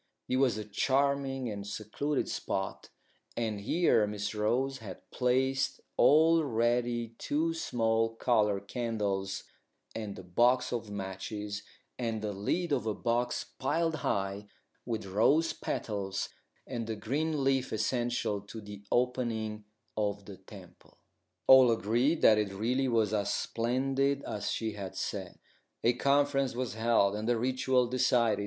It was a charming and secluded spot, and here Miss Rose had placed all ready two small coloured candles and a box of matches, and the lid of a box piled high with rose petals, and the green leaf essential to the opening of the temple. All agreed that it really was as splendid as she had said. A conference was held, and the ritual decided.